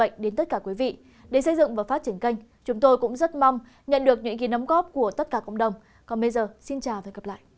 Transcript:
hãy đăng ký kênh để ủng hộ kênh của chúng mình nhé